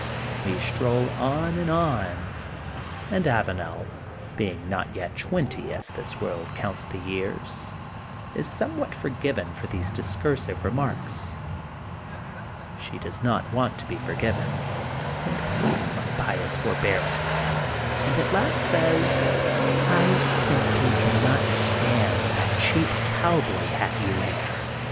'* We stroll on and on, and Avanel, being not yet twenty, as this world counts the years, is somewhat forgiven for these discursive re marks. She does not want to be forgiven, and hates my pious forbearance and at last says: *'I simply cannot stand that cheap cowboy hat you wear.